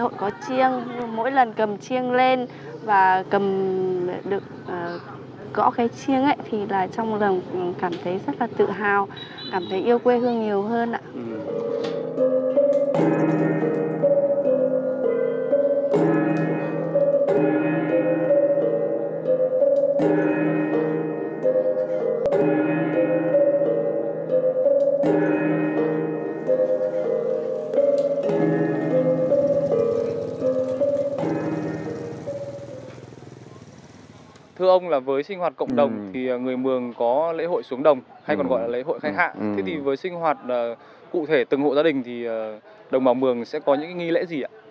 thế thì với sinh hoạt cụ thể từng hộ gia đình thì đồng bào mường sẽ có những nghi lễ gì ạ